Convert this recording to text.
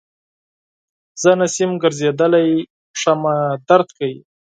زه نسم ګرځیدلای پښه مي درد کوی.